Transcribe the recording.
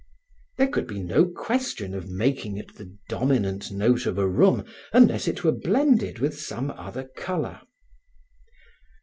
There could be no question of making it the dominant note of a room unless it were blended with some other color.